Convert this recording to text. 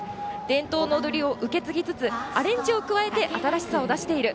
伝統の踊りを受け継ぎつつアレンジを加えて新しさを出している。